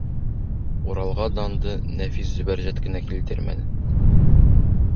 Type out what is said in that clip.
Уралға данды нәфис Зөбәржәт кенә килтермәне.